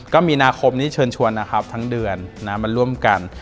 ก็มีนาคมนี้เชิญชวนนะครับทั้งเดือนมาร่วมกัน